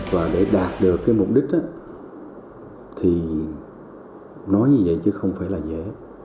và để đạt được cái mục đích đó thì nói như vậy chứ không phải là dễ